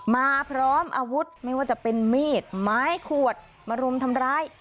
มาพร้อมอาวุธไม่ว่าจะเป็นมีดไม้ขวดมารุมทำร้าย